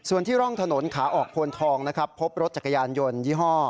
ส่วนที่ร่องถนนขาออกโพนทองนะครับพบรถจักรยานยนต์ยี่ห้อ